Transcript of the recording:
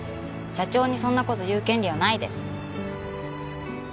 社長にそんな事言う権利はないです。